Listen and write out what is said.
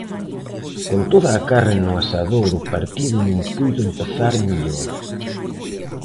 Con toda a carne no asador o partido non puido empezar mellor.